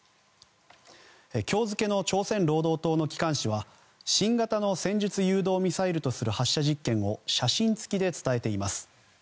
今日付の朝鮮労働党の機関紙は新型の戦術誘導ミサイルとする発射実験を写真付きで伝えています。